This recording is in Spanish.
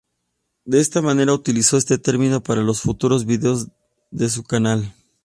De esta manera utilizo este termino para los futuros vídeos de su canal.